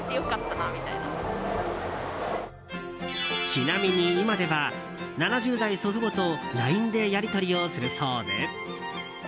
ちなみに、今では７０代祖父母とＬＩＮＥでやり取りをするそうで。